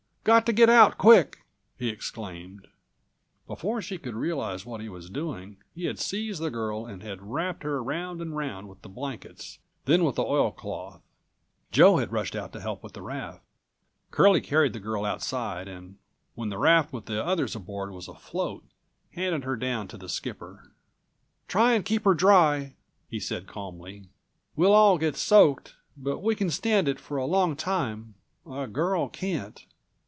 "Got to get out quick!" he exclaimed. Before she could realize what he was doing, he had seized the girl and had wrapped her round and round with the blankets, then with the oiled cloth. Joe had rushed out to help with the raft. Curlie carried the girl outside and, when the raft with the others aboard was afloat, handed her down to the skipper. "Try and keep her dry," he said calmly. "We'll all get soaked, but we can stand it for a long time; a girl can't."